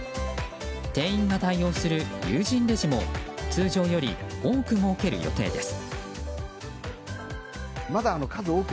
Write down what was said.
店員が対応する有人レジも通常より多く設ける予定です。